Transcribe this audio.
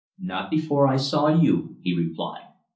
"Not before I saw you," he replied.